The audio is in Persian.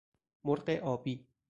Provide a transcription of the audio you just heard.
مرغ آبی